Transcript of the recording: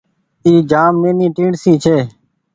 اي جآم نيني ٽيڻسي ڇي۔